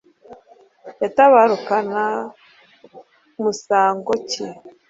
yatabarukana musango ki